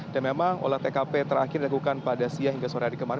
dan memang olah tkp terakhir dilakukan pada siang hingga sore hari kemarin